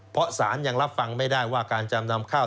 เพราะสารยังรับฟังไม่ได้ว่าการจำนำข้าว